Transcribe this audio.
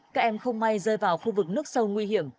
các em không may rơi vào khu vực nước sâu nguy hiểm